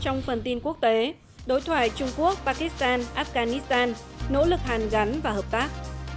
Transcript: trong phần tin quốc tế đối thoại trung quốc pakistan afghanistan nỗ lực hàn gắn và hợp tác